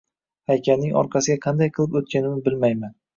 Haykalning orqasiga qanday qilib o‘tganimni bilmayman.